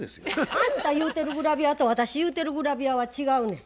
あんた言うてるグラビアと私言うてるグラビアは違うねん。